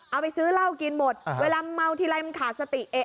เอาไปซื้อเหล้ากินหมดเวลาเมาทีไรมันขาดสติเอ๊ะ